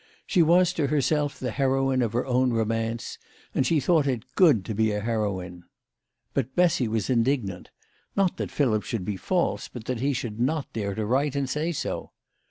She was to herself the heroine of her own romance, and she thought it good to be a heroine. But Bessy was indignant ; not that Philip should be false, but that he should not dare to write and say so.